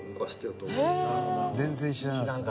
全然知らなかった。